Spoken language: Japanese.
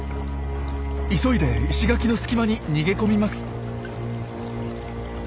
急いで石垣の隙間に逃げ込みます。